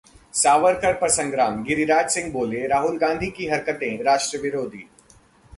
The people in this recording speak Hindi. सावरकर पर संग्राम: गिरिराज सिंह बोले- राहुल गांधी की हरकतें राष्ट्र विरोधी